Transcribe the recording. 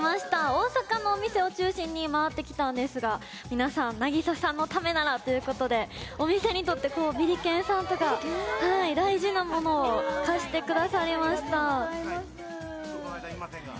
大阪のお店を中心に回ってきたんですが皆さん凪咲さんのためならということでお店にとってビリケンさんとか大事なものを貸してくださりました。